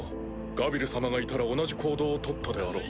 ガビル様がいたら同じ行動を取ったであろう。